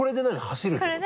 走るってこと？